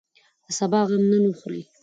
د سبا غم نن وخورئ.